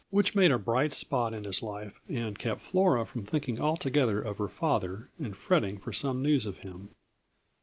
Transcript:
Which made a bright spot in his life and kept Flora from thinking altogether of her father and fretting for some news of him.